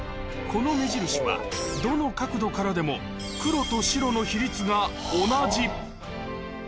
この目印は、どの角度からでも、黒と白の比率が同じ。